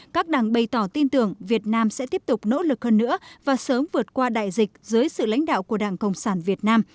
các đảng bày tỏ tin tưởng việt nam sẽ tiếp tục nỗ lực hơn nữa và sớm vượt qua đại dịch dưới sự lãnh đạo của đảng cộng sản việt nam